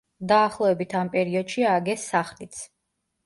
დაახლოებით ამ პერიოდში ააგეს სახლიც.